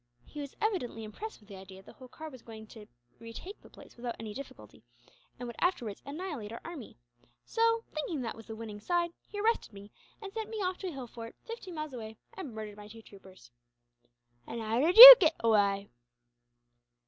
He was evidently impressed with the idea that Holkar was going to retake the place without any difficulty, and would afterwards annihilate our army; so, thinking that was the winning side, he arrested me, and sent me off to a hill fort, fifteen miles away, and murdered my two troopers." "And how did you get away?"